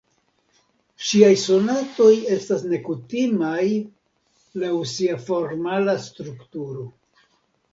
Ŝiaj sonatoj estas nekutimaj laŭ sia formala strukturo.